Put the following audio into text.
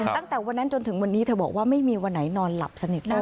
ตั้งแต่วันนั้นจนถึงวันนี้เธอบอกว่าไม่มีวันไหนนอนหลับสนิทเลย